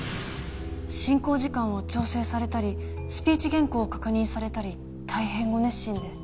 進行時間を調整されたりスピーチ原稿を確認されたり大変ご熱心で。